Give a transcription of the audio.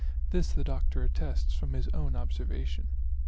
This the Doctor at tests from his own observation.